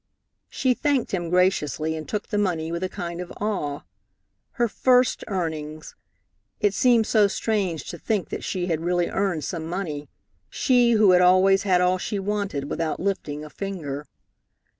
She thanked him graciously and took the money with a kind of awe. Her first earnings! It seemed so strange to think that she had really earned some money, she who had always had all she wanted without lifting a finger.